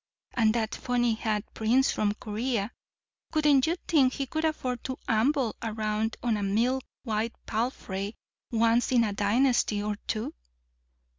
And that funny hat prince from Korea—wouldn't you think he could afford to amble around on a milk white palfrey once in a dynasty or two?